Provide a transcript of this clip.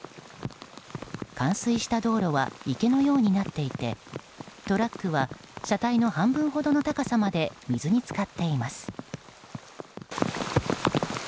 冠水した道路は池のようになっていてトラックは車体の半分ほどの高さまで水に浸かっています。